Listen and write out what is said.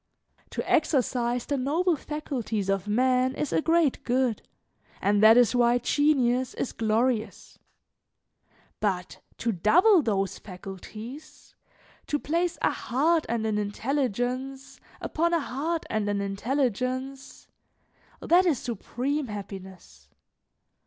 To exercise the noble faculties of man is a great good, and that is why genius is glorious; but to double those faculties, to place a heart and an intelligence upon a heart and an intelligence that is supreme happiness.